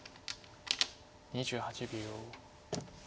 ２８秒。